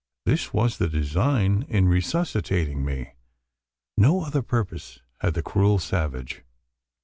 This was the design in resuscitating me. No other purpose had the cruel savage.